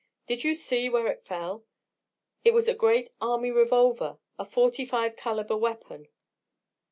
Did you see where it fell? It was a great army revolver, a 45 calibre weapon."